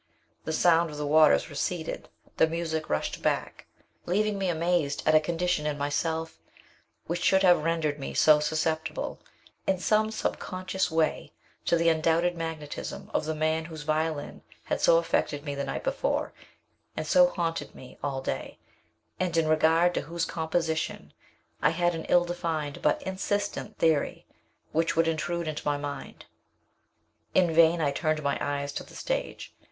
The sound of the waters receded, the music rushed back, leaving me amazed at a condition in myself which should have rendered me so susceptible, in some subconscious way, to the undoubted magnetism of the man whose violin had so affected me the night before, and so haunted me all day, and in regard to whose composition I had an ill defined, but insistent, theory which would intrude into my mind. In vain I turned my eyes to the stage.